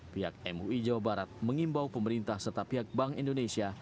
pihak mui jawa barat mengimbau pemerintah serta pihak bank indonesia